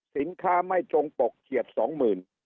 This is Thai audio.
สินค้าไม่จงปกเกียจ๒๐๐๐๐